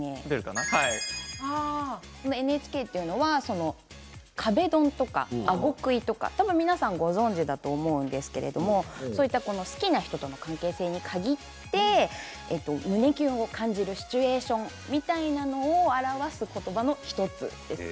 ＮＨＫというのは壁ドンとかあごクイとか多分、皆さんご存じだと思うんですけど好きな人との関係性に限って胸キュンを感じるシチュエーションみたいなのを表す言葉の１つです。